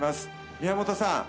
宮本さん